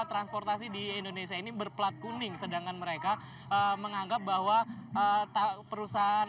transportasi di indonesia ini berplat kuning sedangkan mereka menganggap bahwa perusahaan